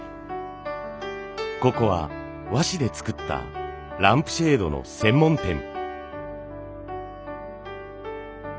ここは和紙で作ったランプシェードの専門店。